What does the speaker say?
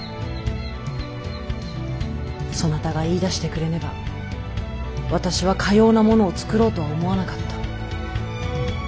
そなたが言いだしてくれねば私はかようなものを作ろうとは思わなかった。